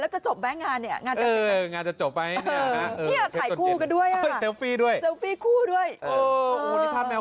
แล้วจบหางานเหนียงอย่างนั้น่ะ